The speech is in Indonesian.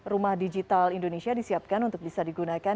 rumah digital indonesia disiapkan untuk bisa digunakan